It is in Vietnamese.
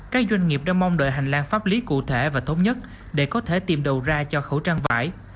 các doanh nghiệp đã mong đợi hành lang pháp lý cụ thể và thống nhất để có thể tìm đầu ra cho khẩu trang vải